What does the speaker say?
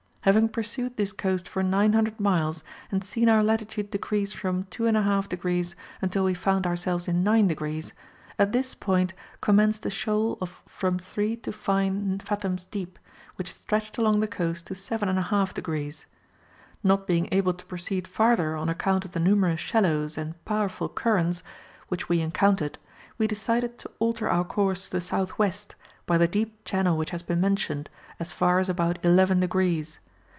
Having pursued this coast for 900 miles, and seen our latitude decrease from 2 1/2 degrees until we found ourselves in 9 degrees, at this point commenced a shoal of from three to nine fathoms deep, which stretched along the coast to 7 1/2 degrees. Not being able to proceed farther on account of the numerous shallows and powerful currents which we encountered, we decided to alter our course to the south west, by the deep channel which has been mentioned, as far as about 11 degrees.